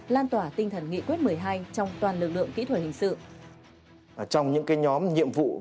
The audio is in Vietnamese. lan tỏa tinh thần nghị quyết một mươi hai trong toàn lực lượng kỹ thuật hình sự